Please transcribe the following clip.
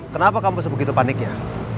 kenapa kamu sebegitu paniknya